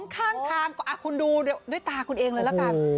ข้างทางคุณดูด้วยตาคุณเองเลยละกัน